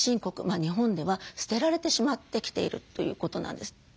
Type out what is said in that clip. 日本では捨てられてしまってきているということなんです。